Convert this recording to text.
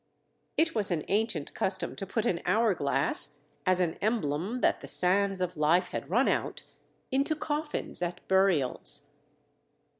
It was an ancient custom to put an hour glass, as an emblem that the sands of life had run out, into coffins at burials.